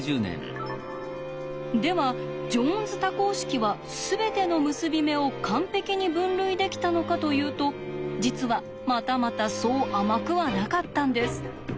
ではジョーンズ多項式は全ての結び目を完璧に分類できたのかというと実はまたまたそう甘くはなかったんです。